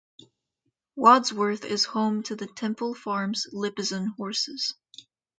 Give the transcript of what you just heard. Wadsworth is home to the Tempel Farms Lipizzan Horses.